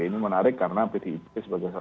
ini menarik karena pdip sebagai